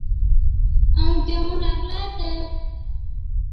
ائُون ڪيھُون لاگلا تہ